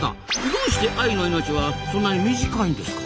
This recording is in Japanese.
どうしてアユの命はそんなに短いんですか？